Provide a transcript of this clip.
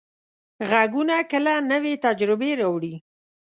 غږونه کله نوې تجربې راوړي.